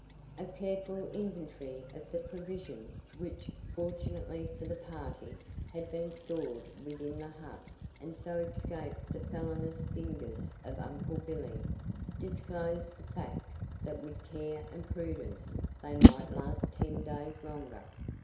A careful inventory of the provisions, which, fortunately for the party, had been stored within the hut and so escaped the felonious fingers of Uncle Billy, disclosed the fact that with care and prudence they might last ten days longer.